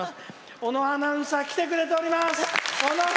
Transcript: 小野アナウンサー来ております。